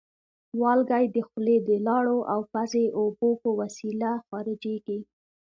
والګی د خولې د لاړو او پزې اوبو په وسیله خارجېږي.